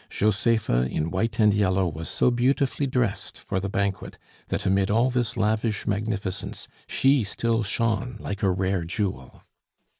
Josepha, in white and yellow, was so beautifully dressed for the banquet, that amid all this lavish magnificence she still shone like a rare jewel.